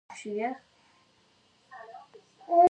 د غوښې پخولو ته لازمي تودوخه پکار ده.